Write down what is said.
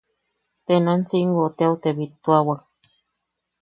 Tenancingo teau te bittuawak.